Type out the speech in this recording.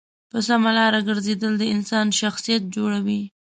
په سمه لاره گرځېدل د انسان شخصیت جوړوي.